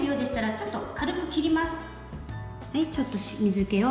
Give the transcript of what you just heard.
ちょっと水けを切って。